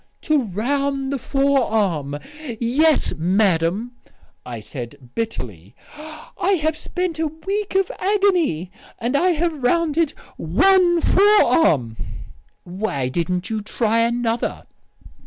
"'To round the forearm'! Yes, madam," I said bitterly, "I have spent a week of agony ... and I have rounded one forearm." "Why didn't you try another?"